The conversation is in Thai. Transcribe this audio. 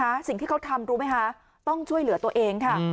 สิ่งที่เขาทำรู้ไหมคะต้องช่วยเหลือตัวเองค่ะ